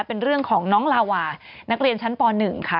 เป็นเรื่องของน้องลาวานักเรียนชั้นป๑ค่ะ